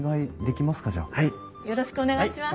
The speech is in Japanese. よろしくお願いします。